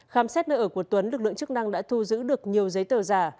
khám xét nơi ở của tuấn lực lượng chức năng đã thu giữ được nhiều giấy tờ giả